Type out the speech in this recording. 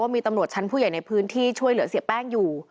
มีตำรวจชั้นผู้ใหญ่ในพื้นที่ช่วยเหลือเสียแป้งอยู่